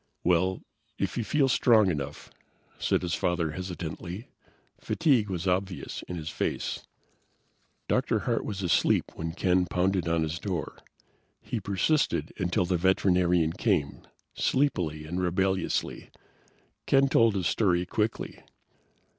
"Well, if you feel strong enough," said his father hesitantly. Fatigue was obvious in his face. Dr. Hart was asleep when Ken pounded on his door. He persisted until the veterinarian came, sleepily and rebelliously. Ken told his story quickly.